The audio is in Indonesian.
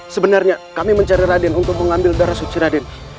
sebenarnya kami mencari raden untuk mengambil darah suci raden